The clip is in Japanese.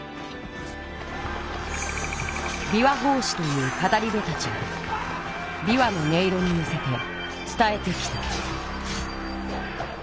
琵琶法師という語りべたちが琵琶の音色にのせてつたえてきた。